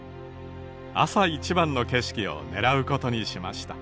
朝一番の景色を狙うことにしました。